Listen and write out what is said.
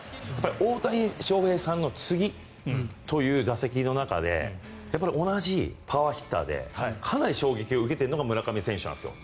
大谷翔平さんの次という打席の中で同じパワーヒッターでかなり衝撃を受けているのが村上選手なんですよ。